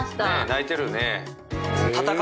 泣いてるよね。